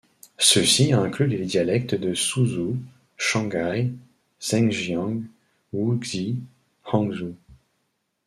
Ceux-ci incluent les dialectes de Suzhou, Shanghai, Zhenjiang, Wuxi, Hangzhou.